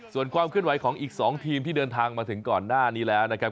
ส่วนความเคลื่อนไหวของอีก๒ทีมที่เดินทางมาถึงก่อนหน้านี้แล้วนะครับ